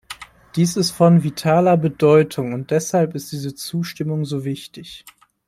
Dies ist von vitaler Bedeutung, und deshalb ist diese Zustimmung so wichtig.